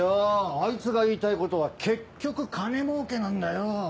あいつが言いたいことは結局金儲けなんだよ。